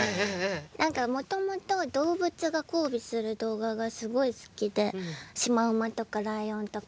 何かもともと動物が交尾する動画がすごい好きでシマウマとかライオンとか。